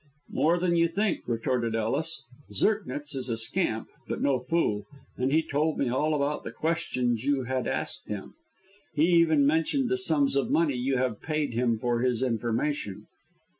"More than you think," retorted Ellis. "Zirknitz is a scamp, but no fool, and he told me all about the questions you had asked him. He even mentioned the sums of money you have paid him for his information."